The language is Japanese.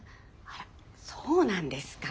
あらそうなんですか。